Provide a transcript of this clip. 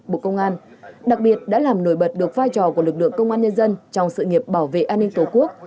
bộ công an đặc biệt đã làm nổi bật được vai trò của lực lượng công an nhân dân trong sự nghiệp bảo vệ an ninh tổ quốc